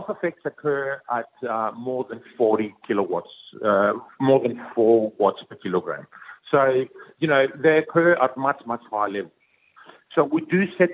efek kesehatan berlaku di lebih dari empat puluh kilowatt lebih dari empat watt per kilogram